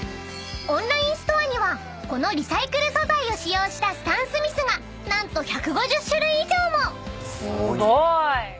［オンラインストアにはこのリサイクル素材を使用したスタンスミスが何と１５０種類以上も］